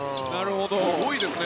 すごいですね。